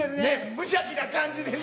無邪気な感じでね。